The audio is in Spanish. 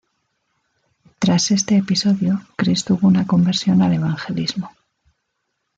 Tras este episodio Chris tuvo una conversión al evangelismo.